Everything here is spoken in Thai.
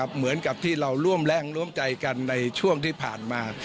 เหมือนกับที่เราร่วมแรงร่วมใจกันในช่วงที่ผ่านมา